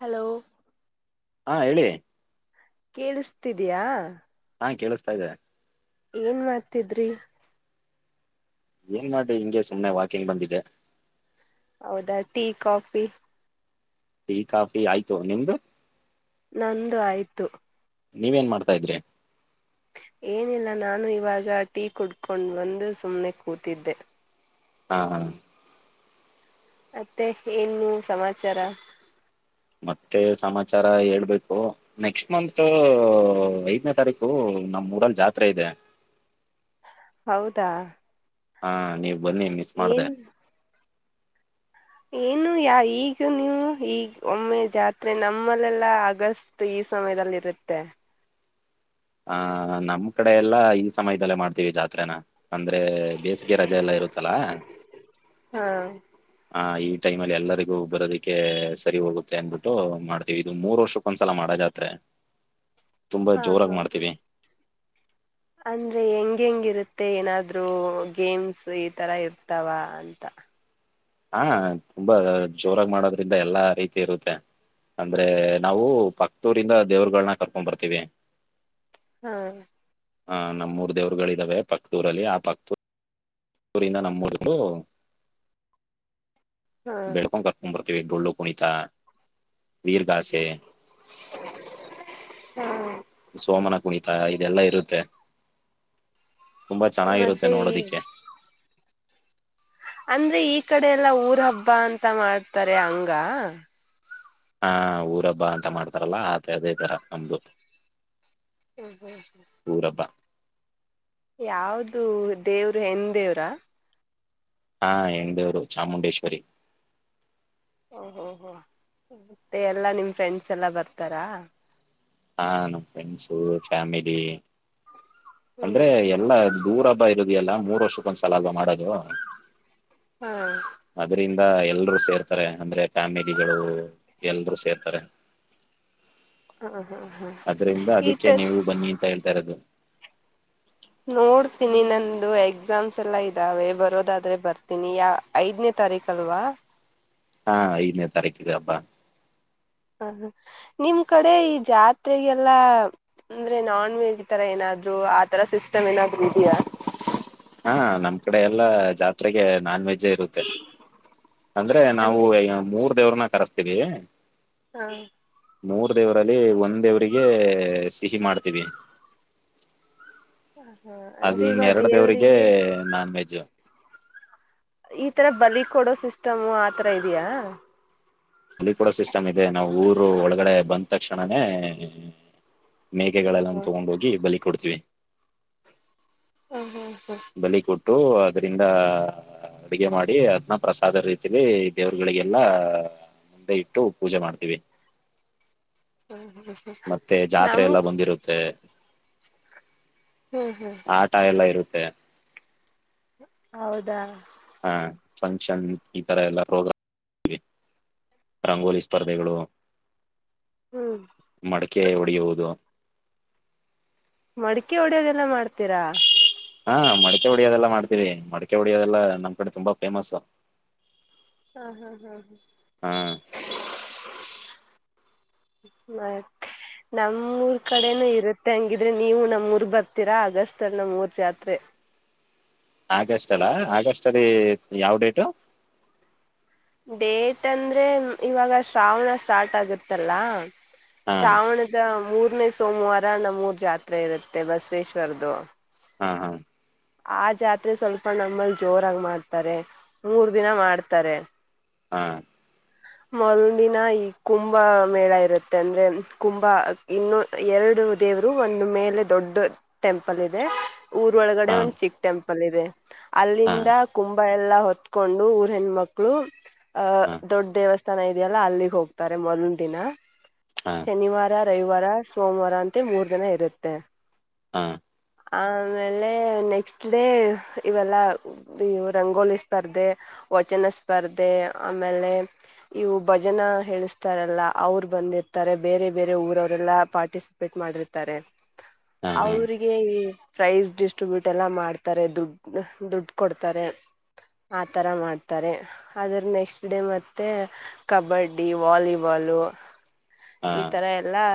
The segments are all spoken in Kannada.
ಹಲೋ ಹಾ ಹೇಳಿ. ಕೇಳಿಸ್ತಿದಯಾ ಹಾ ಕೇಳಿಸ್ತಾ ಇದೆ. ಏನ್ ಮಾಡ್ತಿದ್ರಿ. ಏನ್ ಮಾಡೆ ಹಿಂಗೆ ಸುಮ್ನೆ ವಾಕಿಂಗ್ ಬಂದಿದೆ. ಹೌದಾ ಟೀ ಕಾಫಿ. ಟೀ, ಕಾಫೀ ಆಯ್ತು ನಿಮ್ದು. ನಂದು ಆಯ್ತು. ನೀವೇನ್ ಮಾಡ್ತಾ ಇದ್ರಿ. ಏನಿಲ್ಲ ನಾನು ಇವಾಗ ಟೀ ಕುಡ್ಕೊಂಡ್ ಬಂದು ಸುಮ್ನೆ ಕೂತಿದ್ದೆ. ಹಾ ಹಾ. ಮತ್ತೆ ಏನು ಸಮಾಚಾರ. ಮತ್ತೆ ಸಮಾಚಾರ ಹೇಳ್ಬೇಕು ನೆಕ್ಸ್ಟ್ ಮಂತ್ ಐದನೇ ತಾರೀಕು ನಮ್ಮ್ ಊರಲ್ಲಿ ಜಾತ್ರೆ ಇದೆ. ಹೌದಾ ಹಾ ನೀವು. ಬನ್ನಿ ಮಿಸ್ ಮಾಡ್ದೆ. ಏನ್ ಏನು ಯಾ ಈಗ ನೀವು ಈಗ್ ಒಮ್ಮೆ ಜಾತ್ರೆ ನಮ್ಮಲ್ಲೆಲ್ಲ ಅಗಸ್ಟ್ ಈ ಸಮಯದಲ್ಲಿ ಇರುತ್ತೆ. ಆ ಹಾ ನಮ್ ಕಡೆ ಎಲ್ಲಾ ಈ ಸಮಯದಲ್ಲೇ ಮಾಡ್ತೀವಿ ಜಾತ್ರೆೇನ. ಅಂದ್ರೆ ಬೇಸಿಗೆ ರಜೆ ಎಲ್ಲಾ ಇರುತಲ್ಲಾ ಹಾ ಹ ಈ ಟೈಮ ಅಲ್ಲಿ ಎಲ್ಲರಿಗೂ ಬರೋದಿಕ್ಕೆ ಸರಿ ಹೋಗುತ್ತೆ ಅನ್ಬಿಟ್ಟು ಮಾಡ್ತೀವಿ ಇದು ಮೂರ್ ವರ್ಷಕ್ಕೊಂದ್ಸಲ ಮಾಡೋ ಜಾತ್ರೆ. ತುಂಬಾ ಹಾ ಹಾ ಜೋರಾಗಿ ಹಾ. ಮಾಡ್ತೀವಿ ಅಂದ್ರೆ ಹೆಂಗ ಹೆಂಗಿರುತ್ತೆ ಏನಾದ್ರೂ ಗೇಮ್ಸ್ ಈ ತರ ಇರ್ತಾವ ಅಂತ. ಹಾ ತುಂಬಾ ಜೋರಾಗಿ ಮಾಡೋದ್ರಿಂದ ಎಲ್ಲಾ ರೀತಿ ಇರುತ್ತೆ ಅಂದ್ರೆ ನಾವು ಪಕದೂರಿಂದ ದೇವರುಗಳ್ನ ಕರ್ಕೊಂಡ್ ಬರ್ತೀವಿ. ಹಾ ಹ ನಮ್ಮ್ ಮೂರ್ ದೇವ್ರುಗಳ ಇದಾವೆ ಪಕದೂರಲ್ಲಿ ಆ ಪಕ ಊರಿನ ನಮ್ಮೂರುಗು ಹಾ ಬೇಡ್ಕೊಂಡ್ [unintelligible] [unintelligible] ಡೊಳ್ಳು ಕುಣಿತ. ಹಾ [inaudible] ಸೋಮನ ಕುಣಿತ ಇದೆಲ್ಲ ಇರುತ್ತೆ. ತುಂಬಾ ಚೆನ್ನಾಗಿರುತ್ತೆ ಮತ್ತೆ ಈಗ ನೋಡೋದಿಕ್ಕೆ. ಅಂದ್ರೆ ಈ ಕಡೆ ಎಲ್ಲಾ ಊರ್ ಹಬ್ಬ ಅಂತ ಮಾಡ್ತಾರೆ ಹಂಗಾ. ಹಾ ಊರ ಹಬ್ಬ ಅಂತ ಮಾಡ್ತಾರಲ್ಲ ಆತೆ ಅದೇ ತರ ನಮ್ದು. ಹ್ಮ್ ಹ್ಮ್ ಹ್ಮ್. ಊರಬ್ಬ ಯಾವ್ದು ದೇವರ್ ಹೆಣ್ಣ್ ದೇವ್ರಾ. ಹಾ ಹೆಣ್ಣ್ ದೇವ್ರು ಚಾಮುಂಡೇಶ್ವರಿ. ಓಹೋ ಹೋ ಮತ್ತೆ ಎಲ್ಲಾ ನಿಮ್ ಫ್ರೆಂಡ್ಸ್ ಎಲ್ಲ ಬರ್ತಾರಾ. ಹಾ ನಮ್ಮ ಫ್ರೆಂಡ್ಸ, ಫ್ಯಾಮಿಲಿ ಹ್ಮ್ ಅಂದ್ರೆ ಎಲ್ಲಾ ದೂರ್ ಹಬ್ಬ ಎಲ್ಲ ಮೂರು ವರ್ಷಕ್ಕಂದಂದು ಸಾಲಲ್ ಮಾಡ ಹಾ ಅ್ರ ಗ ಎಲ್ರೂ ಸೇರ್ತಾರೆ ಅಂದ್ರೆ ಕಫ್ಯಾಮಿಲಿಗಳು ಎಲ್ರೂ ಸೇರ್ತಾರೆ ಹ ಹ ಅದ್ರಿಂದ ಅದಕ್ಕೆ ನೀವು ಬನ್ನಿ ಅಂತ ಹೇಳ್ತಾ ಇರೋದು ನೋಡ್ತೀನಿ ನಂದು ಎಕ್ಸಾಮ್ಸ್ ಎಲ್ಲಾ ಇದ್ದಾವೆ ಬರೋದಾದ್ರೆ ಬರ್ತೀನಿ ಯ ಐದನೇ ತಾರೀಕ ಅಲ್ವಾ ಹಾ ಐದನೇ ತಾರೀಕಿಗೆ ಹಬ್ಬಾ ಹ ಹ ನಿಮ್ ಕಡೆ ಈ ಜಾತ್ರೆಗೆಲ್ಲಾ ಅಂದ್ರೆ ನಾನ್ ವೆಜ್ ತರ ಏನಾದ್ರು ಆತರ ಸಿಸ್ಟಮ್ ಏನಾದ್ರು ಇದೆಯಾ ಹಾ ನಮ್ ಕಡೆ ಎಲ್ಲಾ ಜಾತ್ರೆಗೆ ನಾನ್ ವೆಜ್ ಅಜ್ಜೆ ಇರುತ್ತೆ ಅಂದ್ರೆ ನಾವು ಮೂರ್ ದೇವ್ರನ ಕರಸ್ತೀವಿ ಹಾ ಮೂರ್ ದೇವರಲ್ಲಿ ಒಂದ್ ದೇವ್ರರಿಗೆ ಸಿಹಿ ಮಾಡ್ತೀವಿ ಹ ಅದು ಅಂದ್ರೆ ಇವಾಗ ಇನ್ನೆರಡ ದೇವ್ರರಿಗೆ ದೇವ್ರಿಗೆ ನಾನ್ ವೆಜ್ ಈತರ ಬಲಿ ಕೊಡೋ ಸಿಸ್ಟಮು ಆತರ ಇದೆಯಾ ಅಲ್ಲಿ ಕೂಡ ಸಿಸ್ಟಮ್ ಇದೆ ನಾವು ಊರು ಒಳಗಡೆ ಬಂದ ತಕ್ಷಣನೇ ಹ್ಮ್ ಮೇಕೆಗಳೆಲ್ಲ ಹ್ಮ್ ತಗೊಂಡ ಹೋಗಿ ಬಲಿ ಕೊಡ್ತೀವಿ ಹ ಹಾ ಬಲಿ ಕೊಟ್ಟು ಇಟ್ಟು ಅದರಿಂದ ಅಡಗೆ ಮಾಡಿ ಅದ್ನ್ನ ಪ್ರಸಾದ ರೀತಲಿ ದೇವ್ರುಗಳಿಗೆಲ್ಲ ಮುಂದೆ ಇಟ್ಟು ಪೂಜೆ ಮಾಡ್ತೀವಿ ಹ್ಮ್ ಹ್ಮ್ ಹ್ಮ್ ಮತ್ತೆ ಜಾತ್ರೆ ನಮ್ ಎಲ್ಲ ಬಂದಿರುತ್ತೆ ಹ್ಮ್ ಹ್ಮ್ ಆಟ ಎಲ್ಲ ಇರುತ್ತೆ ಸ ಹೌದಾ ಹಾ ಫಂಕ್ಷನ್ ಈ ತರ ಎಲ್ಲಾ ಪ್ರೋಗ್ರಾಮ ರಂಗೋಲಿ ಸ್ಪರ್ಧೆಗಳು ಹ್ಮ್ ಮಡಕೆ ಹೊಡಗುವುದು ಮಡಿಕೆ ಹೊಡ್ಯೋದೆಲ್ಲ ಮಾಡ್ತ ತ್ತರ ಹಾ ಮಡಕೆ ಹೊಡಿಯೋದೆಲ್ಲ ಮಾಡ್ತೀರಿ ಮಡಕೆ ಹೊಡೆಯೋದೆಲ್ಲ ನಮ್ಮ್ಡೆ ತುಂಬಾ ಫೇಮಸ್ ಹಾ ಹಾ ಹಾ ಹಾ ಮತ್ೆ ನಮ್ಮೂರ್ ಕಡೆನ ಇರುತ್ತೆ ಹಂಗಿದ್ರೆ ನೀವು ನಮ್ಮೂರ್ ಬರ್ತೀರಾ ಅಗಸ್ಟ್ ಅಲ್ಲಿ ನಮ್ಮ್ೂರ್ ಜಾತ್ರೆ ಆಗಸ್ಟ್ ಅಲ್ಲ ಆಗಸ್ಟ್ ಅಲ್ಲಿ ಯಾವ್ ಡೇಟು ಡೇಟ್ ಅಂದ್ರೆ ಇವಾಗ ಶ್ರಾವಣ ಸ್ಟಾರ್ಟ್ ಆಗಿತ್ತಲ್ಲ ಹಾ ಶಾವಣದ ಮೂರು ೇ ಸೋಮವಾರ ನಮ್ಮೂರ್ ಜಾತ್ರೆ ಇರುತ್ತೆ ಬಸವೇಶ್ವರದು ಹಾ ಹಾ ಆ ಜಾತ್ರೆ ಸ್ವಲ್ಪ ನಮ್ಮಲ್ಲಿ ಜೋರಾಗಿ ಮಾಡ್ತಾರೆ ಮೂರ್ ದಿನ ಮಾಡ್ತಾರೆ ಹಾ ಮೊದಲ್ದಿನ ಈ ಕುಂಭ ಮೇಳ ಇರುತ್ತೆ ಅಂದ್ರೆ ಕುಂಭ ಇನ್ನು ಎರಡು ದೇವರು ಒಂದು ಮೇಲೆ ದೊಡ್ಡ ಟೆಂಪಲ್ ಇದೆ. ಊರ್ ಒಳಗಡೆ ಹಾ ಒಂದ್ ಚಿಕ್ಕ್ ಟೆಂಪಲ್ ಇದೆ. ಹಾ ಅಲ್ಲಿಂದ ಕುಮ್ ಭ ಎಲ್ಲಾ ಹೊತ್ಕೊಂಡು ಊರ್ ಹೆಣ್ಮಕ್ಳು ಆ ಹಾ ದೊಡ್ ದೇವಸ್ ದ್ಸ್ಥಾನ ಇದೆಯಲ್ಲಾ ಅಲ್ಲಿಗ್ ಹೋಗ್ತಾರೆ ಮೊದಲ್ದಿನ. ಹಾ ಶನಿವಾರ ರವಿವಾರ ಸೋಮವಾರ ಅಂತೆ ಮೂರ್ ದಿನ ಇರುತ್ತೆ. ಹಾ ಆಮೇಲೆ ನೆಕ್ಸ್ಟ್ ಡೇ ಇವೆಲ್ಲ ಇವ್ ರಂಗೋಲಿ ಸ್ಪರ್ಧೆ ವಚನ ಸ್ಪರ್ಧೆ ಆಮೇಲೆ ಇವು ಭಜನಾ ಹೇಳಿಸ್ತಾರಲ್ಲ ಅವ್ರು ಬಂದಿರ್ತಾರೆ ಬೇರೆ ಬೇರೆ ಊರವರೆಲ್ಲ ಪಾರ್ಟಿಸಿಪೇಟ್ ಮಾಡಿರ್ತಾರೆ. ಹಾ ಹಾ ಅವ್ರಿಗೆ ಪ್ರೈಸ್ ಡಿಸ್ಟ್ರಿಬ್ಯೂಟ್ ಎಲ್ಲ ಮಾಡ್ತಾರೆ ದುಡ್ಡು ದುಡ್ಡು ಕೊಡ್ತಾರೆ ಆತರ ಮಾಡ್ತಾರೆ ಅದ್ರ ನೆಕ್ಸ್ಟ್ ಡೇ ಮತ್ತೆ ಕಬಡ್ಡಿ ವಾಲಿಬಾಲು ಹಾ ಈ ತರ ಎಲ್ಲಾ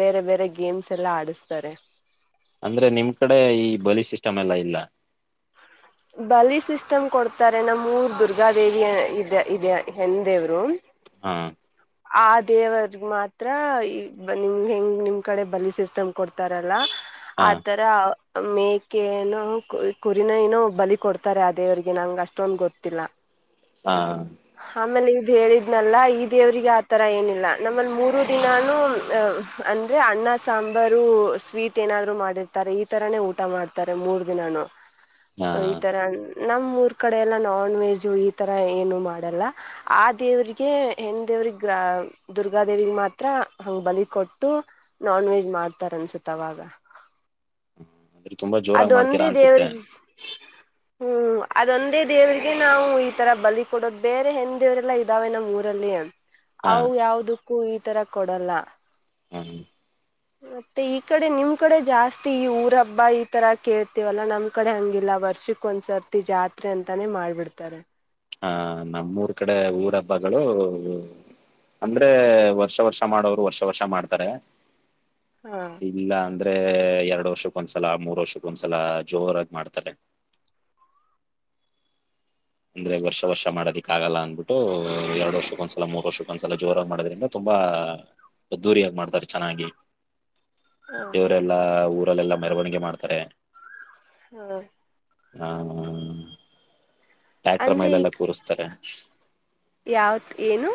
ಬೇರೆ ಬೇರೆ ಗೇಮ್ಸ್ ಎಲ್ಲ ಆಡಸ್ತಾರೆ ಅಂದ್ರೆ ನಿಮ್ ಕಡೆ ಈ ಬಲಿ ಸಿಸ್ಟಮ್ ಎಲ್ಲ ಇಲ್ಲ ಬಲಿ ಸಿಸ್ಟಮ್ ಕೊಡ್ತಾರೆ ನಮ್ಮೂರ್ ದುರ್ಗಾದೇವಿ ಇದೆ ಹೆಣ್ಣು ದೇವರು ಹಾ ಆ ದೇವರ್ಗ್ ಮಾತ್ರ ಈ ನಿಮ್ ಹೆಂಗ್ ನಿಮ್ ಕಡೆ ಬಲಿ ಸಿಸ್ಟಮ್ ಕೊಡ್ತಾರಲ್ಲ ಹಾ ಆತರ ಮೇಕೆನೋ ಕುರಿನ ಏನೋ ಬಲಿ ಕೊಡ್ತಾರೆ ಅದೇವ್ರಿಗೆ ನಂಗೆ ಅಷ್ಟೊಂದು ಗೊತ್ತಿಲ್ಲ ಹಾ ಹೇಳಿದ್ನಲ್ಲಾ ಈ ದೇವ್ರಿಗೆ ಆತರ ಏನಿಲ್ಲ ನಮ್ಮಲ್ಲಿ ಮೂರು ದಿನಾನೂ ಅ ಅಂದ್ರೆ ಅಣ್ಣ ಸಾಂಬಾರು ಸ್ವೀಟ್ ಏನಾದ್ರು ಮಾಡಿರ್ತಾರೆ ಈ ತರಾನೇ ಊಟ ಮಾಡ್ತಾರೆ ಮೂರ್ ದಿನಾನು ಹಾ ಈ ತರ ನಮ್ಮ್ೂಊರ್ ಕಡೆ ಎಲ್ಲ ನಾನ್ ವೆಜು ಇತ್ತು ತರ ಏನು ಮಾಡಲ್ಲ ಆ ದೇವ್ರಿಗೆ ಹೆಣ ದೇವ್ರಗ್ ದುರ್ಗಾದೇವಿಗೆ ಮಾತ್ರ ಹಂಗ ಬಲಿ ಕೊಟ್ಟು ನಾನ್ ವೆಜ್ ಮಾಡ್ತಾರ ಅನ್ಸತ್ ಅವಾಗ ಅಂದ್ರೆ ತುಂಬಾ ಜೋರಾಗಿ ಮಾಡ್ತೀರಾ ಅದೊಂದೇ ಅನ್ಸುತ್ತೆ ದೇವ್ರಿಗೆ ಹ್ಮ್ ಅದೊಂದೇ ದೇವ್ರಿಗೆ ನಾವು ಈ ತರ ಬಲಿ ಕೊಡೋದು ಬೇರೆ ಹೆಂದ್ ದೇವ್ರಲ್ಲಾ ಇದ್ದಾವೆ ನಮ್ಮ್ ಊರಲ್ಲಿ ಹಾ ಅವು ಯಾವದು ಕ್ಕೂ ಈ ತರ ಕೊಡಲ್ಲ ಹ್ಮ ಮತ್ತೆ ಈ ಕಡೆ ನಿಮ್ ಕಡೆ ಜಾಸ್ತಿ ಈ ಊರ ಹಬ್ಬ ಇ ತರ ಕೇಳ್ತೀವಲ್ಲಾ ನಮ್ ಕಡೆ ಹಂಗಿಲ್ಲ ವರ್ಷಕ್ ಒಂದ್ಸರ್ತಿ ಜಾತ್ರೆ ಅಂತಾನೇ ಮಾಡ್ಬಿಡ್ತಾರೆ ಹಾ ನಮ್ಮೂರ್ ಕಡೆ ಊರ ಹಬ್ಬಗಳು ಅಂದ್ರೆ ವರ್ಷ ವರ್ಷ ಮಾಡೋರು ವರ್ಷ ವರ್ಷ ಮಾಡ್ತಾರೆ ಹಾ ಇಲ್ಲ ಅ ಅಂದ್ರೆ ಎರಡ್ ವರ್ಷಕ್ಕ ಒಂದ್ಸಲ ಮೂರ್ ವರ್ಷಕ್ಕ ಒಂದ್ಸಲ ಜೋರಾಗಿ ಮಾಡ್ತಾರೆ ಅಂದ್ರೆ ವರ್ಷ ವರ್ಷ ಮಾಡೋದಕ್ಕ ಆಗಲ್ಲ ಅಂತ ಬ್ಬಿಟ್ಟು ಎರಡು ವರ್ಷಕ್ಕೊಂದ್ಸಲ ಮೂರ್ಷೊಂದಸಲ ಜೋರ ಮಾಡದ್ರಿಂದ ತುಂಬಾ ಅದ್ದೂರಿಯಾಗಿ ಮಾಡ್ತಾರೆ ಚೆನ್ನಾಗಿ ಹ ದೇವರೆಲ್ಲಾ ಹ ಊರಲ್ಲೆಲ್ಲ ಮೆರವಣಿಗೆ ಮಾಡ್ತಾರೆ ಹ್ಮ ಹ್ಮ ಅಂದ್ರೆ ಈ ಯಾವತ್ ಏನು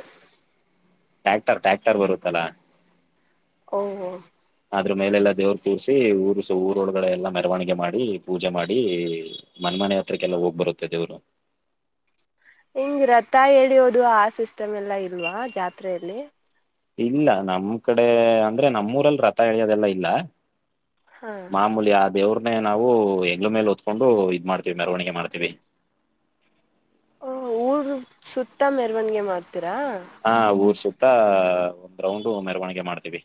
ಟ್ಯಾಕ್ಟರ್ ಟ್ಯಾಕ್ಟರ್ ಬರುತ್ತಲಾ ಓ ಅದ್ರ ಮೇಲೆಲ್ಲಾ ದೇವ್ರ ಕೂರ್ಸಿ ಊರು ಸ ಊರೊಳಗಡೆ ಎಲ್ಲಾ ಮೆರವಣಿಗೆ ಮಾಡಿ ಪೂಜೆ ಮಾಡಿ ಮನ್ ಮನೆ ಹತ್ರಕ್ಕೆಲ್ಲ ಹೋಗ್ ಬರುತ್ತೆ ದೇವ್ರು ಹಿಂಗ್ ರಥ ಹೇಳಿಯೋದು ಆ ಸಿಸ್ಟಮ್ ಎಲ್ಲಾ ಇಲ್ವಾ ಜಾತ್ರೆಯಲ್ಲಿ ಇಲ್ಲ ನಮ್ ಕಡೆ ಅಂದ್ರೆ ನಮ್ಮೂರಲ್ಲಿ ರಥ ಎಳಿಯೋದೆಲ್ಲ ಇಲ್ಲ ಹಾ ಮಾಮೂಲಿ ದೇವರು ಮೆ ನಾವು ಹೆಗ್ಲ ಮೇಲೆ ಹೊತ್ಕೊಂಡು ಇದ್ ಮಾಡ್ತೀವಿ ಮೆರವಣಿಗೆ ಮಾಡ್ತೀವಿ ಹ ಊರ್ ಸುತ್ತ ಮೆರವಣಿಗೆ ಮಾತ್ರ ಹಾ ಊರ್ಷ ಆತ್ತ ಒಂದ್ ರೌಂಡ್ ಮೆರವಣಿಗೆ ಮಾಡ್ತೀವಿ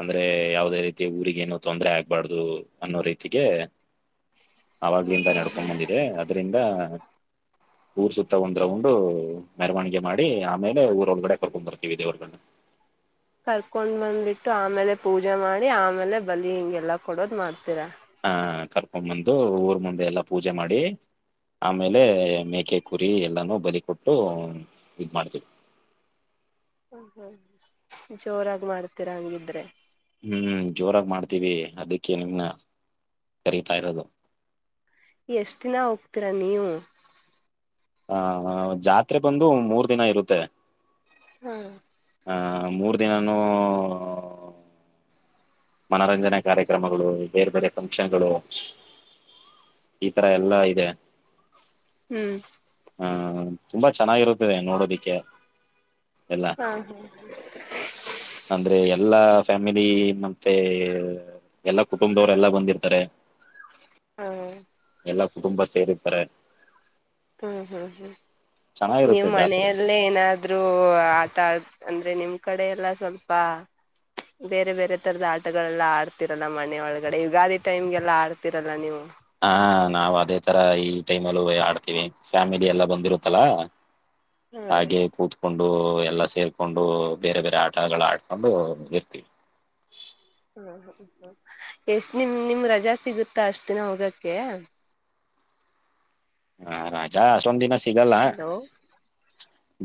ಅಂದ್ರೆ ಯಾವವುದೇ ರೀತಿ ಊರಿಗೇನು ತೊಂದರೆ ಆಗ್ಬಾರ್ದು ಅನ್ನೋ ರೀತಿಗೆ ಅವಾಗ್ಲಿಂದ ನಡ್ಕೊಂಡ್ ಬಂದಿದೆ ಅದ್ರಿಂದ ಊರ್ ಸುತ್ತ ಒಂದ್ ರೌಂಡ್ ಮೆರವಣಿಗೆ ಮಾಡಿ ಆಮೇಲೆ ಇಲ್ಲ ಊರ ಒಂದು ಕಡೆ ಕೊರ್ಕೊಂಡ ಬರ್ರತೇವಿ ದೆರ್ವನ ಕರ್ಕೊಂಡ್ ಬಂದ್ಬಿಟ್ಟು ಆಮೇಲೆ ಪೂಜೆ ಮಾಡಿ ಆಮೇಲೆ ಬಲಿ ಹಿಂಗೆಲ್ಲ ಕೊಡೋದ್ ಮಾಡ್ತೀರಾ ಒಮ್ಮಂದು ಊರ್ ಮುಂದೆ ಎಲ್ಲಾ ಪೂಜೆ ಮಾಡಿ ಆಮೇಲೆ ಮೇಕೆ ಕೂ ಬಿ ಎಲ್ಲಾನು ಬಲಿ ಕೊಟ್ಟು ಇದ್ ಮಾಡ್ತೀವಿ ಹ ಹ ಜೋರಾಗಿ ಮಾಡ್ತೀರಾ ಹಂಗಿದ್ರೆ ಹ್ಮ್ ಜೋರಾಗಿ ಮಾಡ್ತೀವಿ ಅದಕ್ಕೆ ನಿಮ್ನ ಕರಿತಾ ಇರೋದು ಎಷ್ಟ ದಿನ ಹೋಗ್ತೀರಾ ನೀವು ಹ ಜಾತ್ರೆ ಬಂದು ಮೂರ್ ದಿನ ಇರುತ್ತೆ ಹಾ ಹ ಮೂರ್ ದಿನಾನೂ ಮನರಂಜನೆ ಕಾರ್ಯಕ್ರಮಗಳು ಬೇರೆ ಬೇರೆ ಫಂಕ್ಷನ್ಗಳು ಈ ತರ ಎಲ್ಲಾ ಇದೆ ಹ್ಮ್ ಹ್ಮ ತುಂಬಾ ಚೆನ್ನಾಗಿರುತ್ತದೆ ನೋಡೋದಿಕ್ಕೆ ಎಲ್ಲ ಹ್ಮ್ ಅಂದ್ರೆ ಎಲ್ಲಾ ಫ್ಯಾಮಿಲಿ ನ ಹ ಎಲ್ಲ ಕುಟುಂಬದವ್ರ ಎಲ್ಲ ಬಂದಿರ್ತಾರೆ ಹ್ಮ ಎಲ್ಲಾ ಕುಟುಂಬ ಸೇರಿಇತರೆ ಹ್ಮ್ ಹ್ಮ್ ಹ್ಮ್ ನೀವು್ ಜಾತ್ರೆ ಮನೆಯಲ್ಲೇ ಏನಾದ್ರೂ ಆಟ ಅಂದ್ರೆ ನಿಮ್ ಕಡೆ ಎಲ್ಲ ಸ್ವಲ್ಪ ಬೇರೆ ಬೇರೆ ತರದ ಆಟಗಳೆಲ್ಲ ಆಡ್ತಿರಲ್ಲ ಮನೆ ಒಳಗಡೆ ಯುಗಾದಿ ಟೈಮ್ಗೆಲ್ಲ ಆಡ್ತಿರಲ್ಲ ನೀವು ಹಾ ನಾವ್ ಅದೇ ತರ ಈ ಟೈಮ್ ಅಲ್ಲ ಆಡ್ತೀವಿ ಫ್ಯಾಮಿಲಿ ಎಲ್ಲ ಬಂದಿರುತ್ತಲ ಹ್ಮ್ ಹಾಗೆ ಕೂತ್ಕೊಂಡ ಎಲ್ಲ ಸೇರ್ಕೊಂಡು ಬೇರೆ ಬೇರೆ ಆಟಗಳ ಆಡ್ಕೊಂಡು ಇರ್ತೀವಿ ಹ್ಮ ಹ್ಮ್ ಹ್ಮ್ ಎಷ್ಟ ನಿಮ್ ನಿಮ್ ರಜಾ ಸಿಗುತ್ತಾ ಅಷ್ಟ ದಿನ ಹೋಗಕ್ಕೆ ಹಾ ರಾಜಾ ಅಷ್ಟೊಂದ್ ದಿನ ಸಿಗಲ್ಲ ಹಲೋ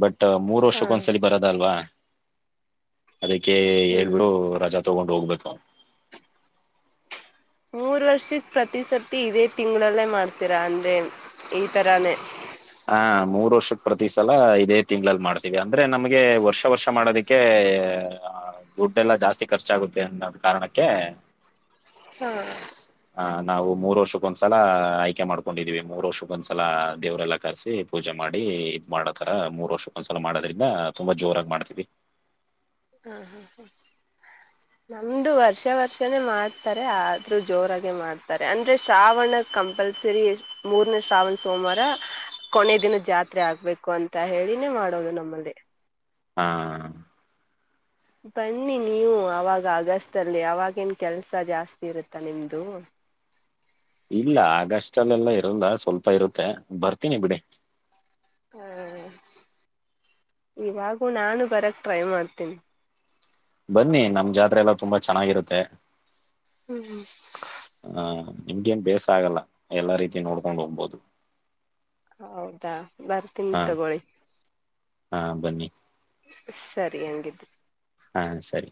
ಬಟ್ ಮೂರು ಹಾ ವರ್ಷಕ್ಕ ಒಂದ್ಸಲ ಬರೋದಲ್ವಾ ಅದಕ್ಕೆ ಹ್ಮ್ ಹೇಳ್ಬಿಡು ರಜಾ ತಗೊಂಡು ಹೋಗ್ಬೇಕು ಮೂರ್ ವರ್ಷ ಪ್ರತಿಿಸತಿ ಇದೇ ತಿಂಗಳಲ್ಲೇ ಮಾಡ್ತೀರಾ ಅಂದ್ರೆ ಈ ತರಾನೇ ಹಾ ಮೂರು ವರ್ಷಕ್ ಪ್ರತಿ ಸಲ ಇದೇ ತಿಂಗಳಗಳಲ್ಲಿ ಮಾಡ್ತೀವಿ ಅಂದ್ರೆ ನಮ್ಗೆ ವರ್ಷ ವರ್ಷ ಮಾಡೋದಿಕ್ಕೆ ದುಡ್ಡೆಲ್ಲಾ ಜಾಸ್ತಿ ಖರ್ಚಾಗುತ್ತೆ ಅನ್ನೋದ್ ಕಾರಣಕ್ಕೆ ಹಾ ಆ ನಾವು ಮೂರು ವರ್ಷಕ್ಕೊಂದ್ಸಲ ಆಯ್ಕೆ ಮಾಡ್ಕೊಂಡಿದ್ದೀವಿ ಮೂರ್ ವರ್ಷಕ್ಕೊಂದ್ಸಲ ದೇವ್ರಲ್ಲ ಕರ್ಸಿ ಪೂಜೆ ಮಾಡಿ ಇ ಇದ್ ಮಾಡೋತರ ಮೂರ್ ವರ್ಷಕ್ಕೊಂದ್ಸಲ ಮಾಡೋದ್ರಿಂದ ತುಂಬಾ ಜೋರಾಗಿ ಮಾಡ್ತೀವಿ ಹಾ ಹಾ ಹ ನಮ್ದು ವರ್ಷ ವರ್ಷನೇ ಮಾಡ್ತಾರೆ ಆದ್ರೂ ಜೋರಾಗೆ ಮಾಡ್ತಾರೆ ಅಂದ್ರೆ ಶ್ರಾವಣ ಕಂಪಲ್ಸರಿ ಮೂರ್ನೇ ಶ್ರಾವಣ ಸೋಮವಾರ ಕೊನ ದಿನ ಜಾತ್ರೆ ಆಗ್ಬೇಕು ಅಂತ ಹೇಳಿನೇ ಮಾಡೋದು ನಮ್ಮಲ್ಲಿ ಹಾ ಬನ್ನಿ ನೀವು ಅವಾಗ ಅಗಸ್ಟ್ ಅಲ್ಲಿ ಅವಾಗೇನ್ ಕೆಲ್ಸ ಜಾಸ್ತಿ ಇರುತ್ತಾ ನಿಮ್ದು ಇಲ್ಲ ಆಗಸ್ಟ್ ಅಲ್ಲೆಲ್ಲ ಇರಲ್ಲ ಸ್ವಲ್ಪ ಇರುತ್ತೆ ಬರ್ತೀನಿ ಬಿಡಿ ಹಾ ಇವಾಗು ನಾನು ಬರಕ್ ಟ್ರೈ ಮಾಡ್ತೀನಿ ಬನ್ನಿ ನಮ ಜಾತ್ರೆ ಎಲ್ಲ ತುಂಬಾ ಚೆನ್ನಾಗಿರುತ್ತೆ ಹ್ಮ್ ಹ್ಮ್ ನಿಮ್ಗ ನ್ ಬೇಸ ಆಗಲ್ಲ ಎಲ್ಲಾ ರೀತಿ ನೋಡ್ಕೊಂಡ್ ಹೋಗ್ಬೋುದು ಹೌದಾ ಬರ್ತನಿ ತಗೊಳ್ಳಿ ಹಾ ಬನ್ನಿ ಸರಿ ಹೆಂಗಿದ್ಿ ಹಾ ಸರಿ